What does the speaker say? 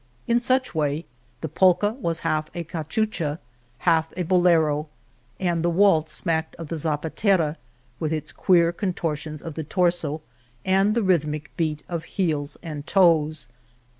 In such way the polka was half a cachucha, half a bolero, and the waltz smacked of the zapatera with its queer contortions of the torso, and the rhythmic beat of heels and toes.